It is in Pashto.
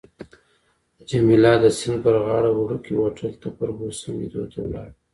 جميله د سیند پر غاړه وړوکي هوټل ته فرګوسن لیدو ته ولاړه.